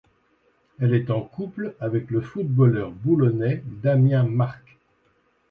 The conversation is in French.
Elle est en couple avec le footballeur boulonnais Damien Marcq.